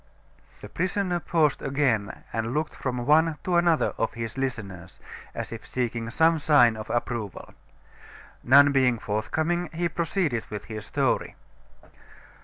The prisoner paused again and looked from one to another of his listeners, as if seeking some sign of approval. None being forthcoming, he proceeded with his story.